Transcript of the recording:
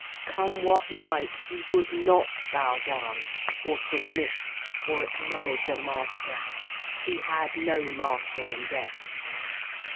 Come what might, he would not bow down or submit or acknowledge a master. He had no master in death.